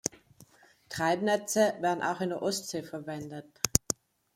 Treibnetze werden auch in der Ostsee verwendet.